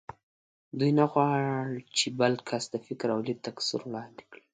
دوی نه غواړ چې بل کس د فکر او لید تکثر وړاندې کړي